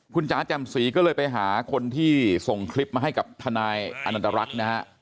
คุณจ๋าแจ่มสีก็เลยไปหาคนที่ส่งคลิปมาให้กับทนายอนันตรรักษ์นะฮะ